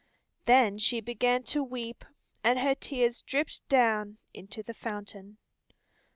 Then she began to weep, and her tears dripped down into the fountain.